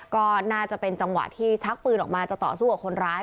ก็น่าจะเป็นจังหวะที่ชักปืนออกมาจะต่อสู้กับคนร้าย